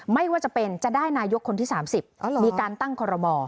ไม่ว่าจะเป็นจะได้นายกคนที่๓๐มีการตั้งคอรมอ